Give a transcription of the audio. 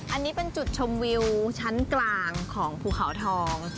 อันนี้เป็นจุดชมวิวชั้นกลางของภูเขาทอง